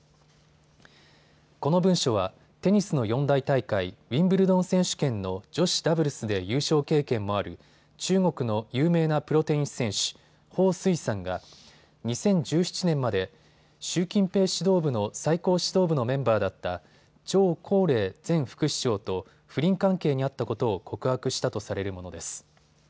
この文書はテニスの四大大会、ウィンブルドン選手権の女子ダブルスで優勝経験もある中国の有名なプロテニス選手、彭帥さんが２０１７年まで習近平指導部の最高指導部のメンバーだった張高麗前副首相と不倫関係にあったことを告白したとされるものです。